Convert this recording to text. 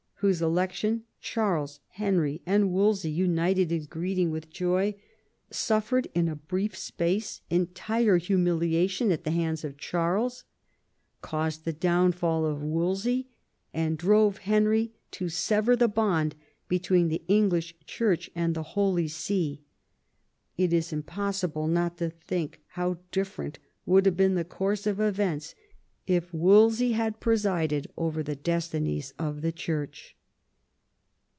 whose election Charles, Henry, and Wolsey united in greeting with joy, suffered in a brief space entire humiliation at the hands of Charles, caused the downfall of Wolsey, and drove Henry to sever the bond between the English Church and the Holy Sea It is impossible not to think how different would have been the course of events if Wolsey had presided over the destinies of the Church.